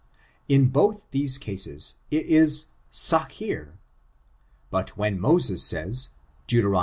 In both these cases, it is sacheer. But when Moses says, (Deut.